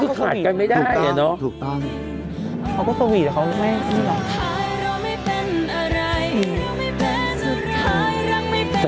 เขาก็สวีทเขาไม่